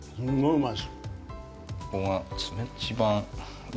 うまい。